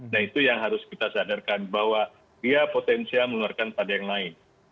nah itu yang harus kita sadarkan bahwa dia potensial menularkan pada yang lain